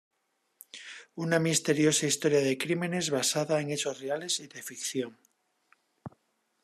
Una misteriosa historia de crímenes basada en hechos reales y de ficción.